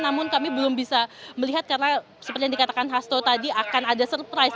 namun kami belum bisa melihat karena seperti yang dikatakan hasto tadi akan ada surprise